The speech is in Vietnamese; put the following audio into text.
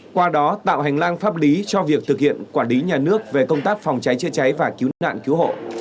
qua đó tạo hành lang pháp lý cho việc thực hiện quản lý nhà nước về công tác phòng cháy chữa cháy và cứu nạn cứu hộ